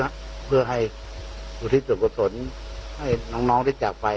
เยาะทำบุญเพื่อให้วิทธิศรุ่ากุศลให้น้องที่จากไป